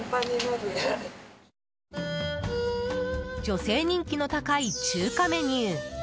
女性人気の高い中華メニュー